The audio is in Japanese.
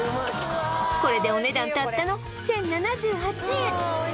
これでお値段たったの１０７８円